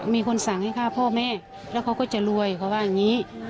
มีคนสั่งให้ฆ่าพ่อแม่แล้วเขาก็จะรวยเขาว่าอย่างนี้